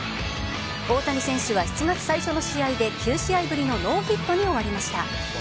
大谷選手は７月最初の試合で９試合ぶりのノーヒットに終わりました。